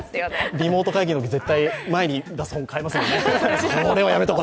リモート会議のとき絶対に前に出す本変えますもんね。